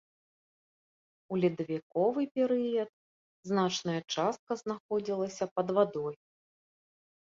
У ледавіковы перыяд значная частка знаходзілася пад вадой.